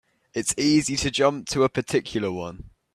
It's easy to jump to a particular one.